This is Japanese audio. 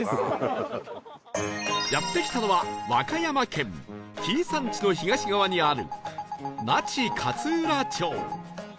やって来たのは和歌山県紀伊山地の東側にある那智勝浦町